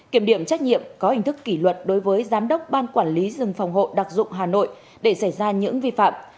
kiểm điểm trách nhiệm có hình thức kỷ luật đối với giám đốc ban quản lý rừng phòng hộ đặc dụng hà nội để xảy ra những vi phạm